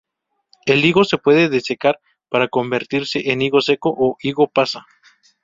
El higo se puede desecar para convertirse en "higo seco" o "higo pasa".